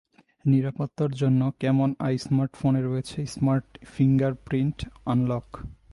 নিরাপত্তার জন্য Camon i স্মার্টফোনে রয়েছে স্মার্ট ফিঙ্গারপ্রিন্ট আনলক।